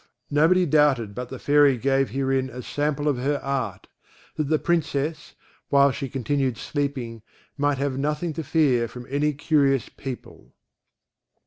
Nobody doubted but the Fairy gave herein a sample of her art, that the Princess, while she continued sleeping, might have nothing to fear from any curious people.